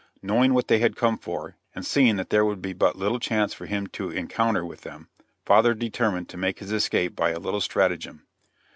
Knowing what they had come for, and seeing that there would be but little chance for him in an encounter with them, father determined to make his escape by a little stratagem.